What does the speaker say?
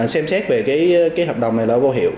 xem xét về cái hợp đồng này là vô hiệu